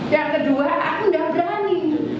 yang kedua aku udah berani